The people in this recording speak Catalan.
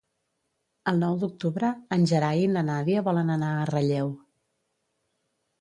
El nou d'octubre en Gerai i na Nàdia volen anar a Relleu.